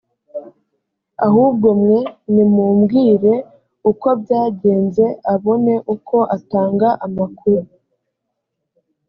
ahubwo mwe nimumbwire uko byagenze abone uko atanga amakuru